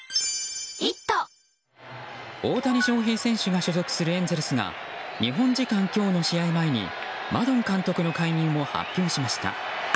大谷翔平選手が所属するエンゼルスが日本時間今日の試合前にマドン監督の解任を発表しました。